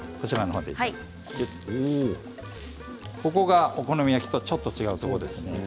ここがお好み焼きとちょっと違うところですね。